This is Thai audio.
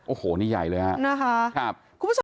โอ้โหนี่ใหญ่เลยฮะนะฮะครับ